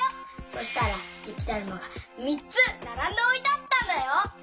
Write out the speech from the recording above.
そしたらゆきだるまがみっつならんでおいてあったんだよ。